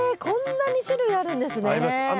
こんなに種類あるんですね。あります。